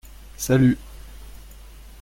Salut !